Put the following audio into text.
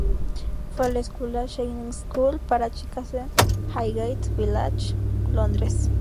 Fue a la escuela Channing School para chicas en Highgate Village, Londres.